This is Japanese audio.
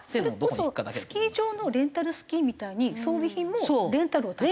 それこそスキー場のレンタルスキーみたいに装備品もレンタルをたくさん。